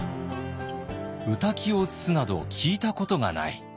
「御嶽を移すなど聞いたことがない」。